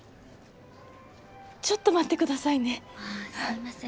ちょっと待ってくださいねすいません